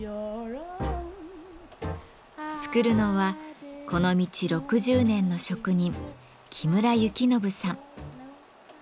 作るのはこの道６０年の職人木村幸信さん。